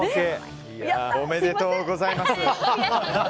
おめでとうございます。